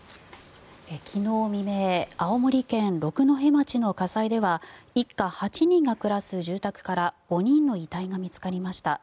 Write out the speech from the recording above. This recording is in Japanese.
昨日未明青森県六戸町の火災では一家８人が暮らす住宅から５人の遺体が見つかりました。